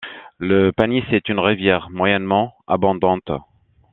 Le Panis est une rivière moyennement abondante.